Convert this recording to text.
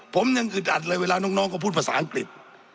ผมยังอึดอัดเลยเวลาน้องเขาพูดภาษาอังกฤษ